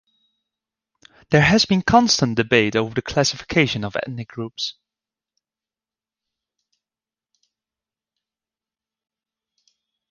There has been constant debate over the classification of ethnic groups.